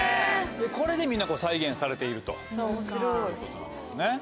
これでみんな再現されているということなんですね。